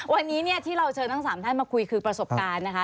วันนี้ที่เราเจอนางสามท่านมาคุยคือประสบการณ์นะคะ